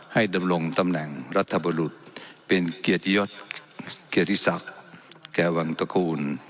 ให้ดำลงตำแหน่งรัฐบุรุษเป็นเกียรติยศคแก่วังตระกูล